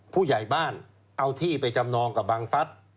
ผู้ใหญ่บ้านเอาที่ไปจำนองกับบังฟัส